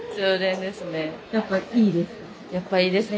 やっぱいいですか？